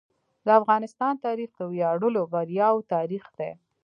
د افغانستان تاریخ د ویاړلو بریاوو تاریخ دی.